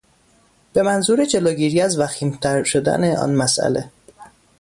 به منظور جلوگیری از وخیمتر شدن آن مسئله